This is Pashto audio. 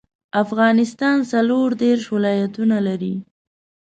افغانستان څلوردیرش ولایاتونه لري